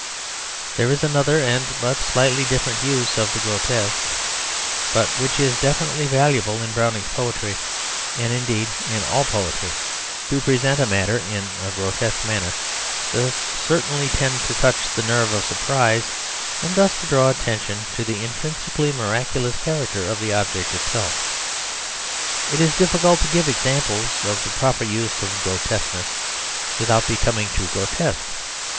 There is another and but slightly different use of the grotesque, but which is definitely valuable in Browning's poetry, and indeed in all poetry. To present a matter in a grotesque manner does certainly tend to touch the nerve of surprise and thus to draw attention to the intrinsically miraculous character of the object itself. It is difficult to give examples of the proper use of grotesqueness without becoming too grotesque.